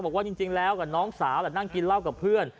บอกว่าจริงแล้วกับน้องสาวนั่งกินเหล้ากับเพื่อน